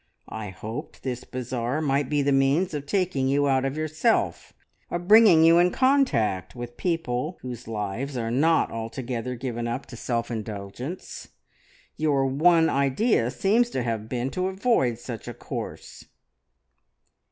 I hoped this bazaar might be the means of taking you out of yourself, of bringing you in contact with people whose lives are not altogether given up to self indulgence. Your one idea seems to have been to avoid such a course."